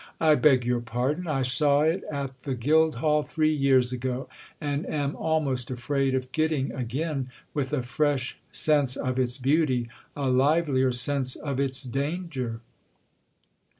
"I beg your pardon—I saw it at the Guildhall three years ago; and am almost afraid of getting again, with a fresh sense of its beauty, a livelier sense of its danger."